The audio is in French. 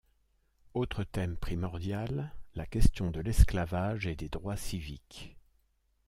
Autre thème primordial, la question de l'esclavage et des droits civiques.